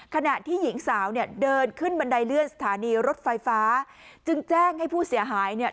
ขณะที่หญิงสาวเนี่ยเดินขึ้นบันไดเลื่อนสถานีรถไฟฟ้าจึงแจ้งให้ผู้เสียหายเนี่ย